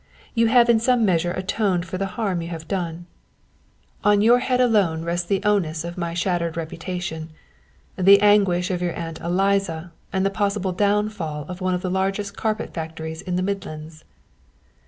You have in some measure atoned for the harm you have done. On your head and yours alone rests the onus of my shattered reputation, the anguish of your Aunt Eliza and the possible downfall of one of the largest carpet factories in the Midlands.